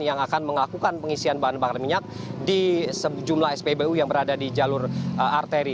yang akan melakukan pengisian bahan bakar minyak di sejumlah spbu yang berada di jalur arteri